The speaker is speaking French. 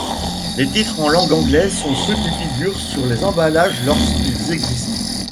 Les titres en langue anglaise sont ceux qui figurent sur les emballages lorsqu'ils existent.